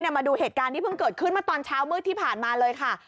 มาดูเหตุการณ์ที่เพิ่งเกิดขึ้นมาตอนเช้ามืดที่ผ่านมาเลยค่ะ